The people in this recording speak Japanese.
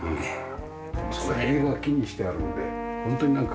つなぎ目が木にしてあるんでホントになんかこう